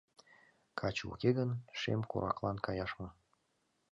— Каче уке гын, шем кораклан каяш мо...